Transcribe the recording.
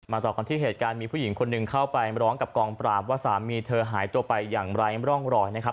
ต่อกันที่เหตุการณ์มีผู้หญิงคนหนึ่งเข้าไปร้องกับกองปราบว่าสามีเธอหายตัวไปอย่างไร้ร่องรอยนะครับ